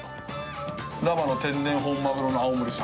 生の天然本マグロの青森産。